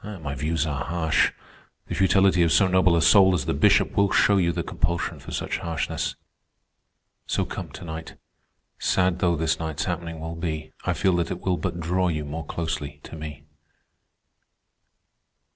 My views are harsh; the futility of so noble a soul as the Bishop will show you the compulsion for such harshness. So come to night. Sad though this night's happening will be, I feel that it will but draw you more closely to me."